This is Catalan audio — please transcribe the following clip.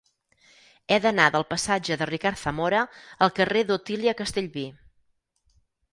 He d'anar del passatge de Ricard Zamora al carrer d'Otília Castellví.